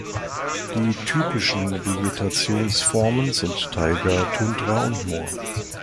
Die typischen Vegetationsformen sind Taiga, Tundra und Moor.